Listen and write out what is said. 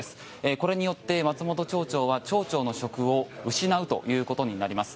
これによって松本町長は町長の職を失うということになります。